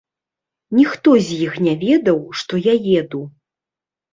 Ніхто з іх не ведаў, што я еду.